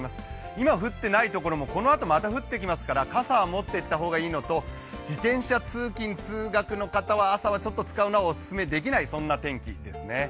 今降っていないところもこのあとまた降ってきますから傘を持っていった方がいいのと自転車通勤・通学の方は朝はちょっと使うのはお勧めできない、そんなお天気ですね。